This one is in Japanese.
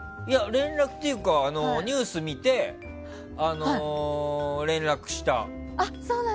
連絡というかニュース見て連絡した。